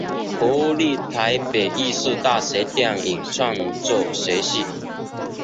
国立台北艺术大学电影创作学系